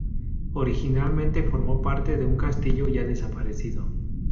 Originalmente formó parte de un castillo ya desaparecido.